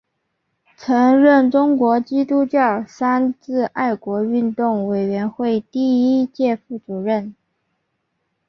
曾任中国基督教三自爱国运动委员会第一届副主席。